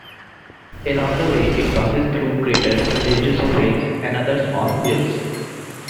Along the way it passes through craters, ranges of hills, and other small rilles.